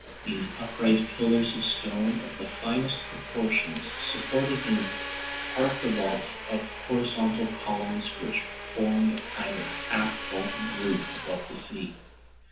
These upright pillars of stone, of the finest proportions, supported an archivault of horizontal columns which formed a kind of half vaulted roof above the sea.